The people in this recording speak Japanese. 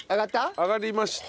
揚がりました。